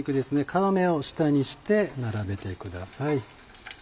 皮目を下にして並べてください。